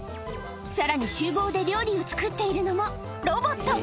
さらに、ちゅう房で料理を作っているのもロボット。